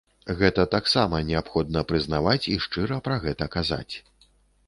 Гэта таксама неабходна прызнаваць і шчыра пра гэта казаць.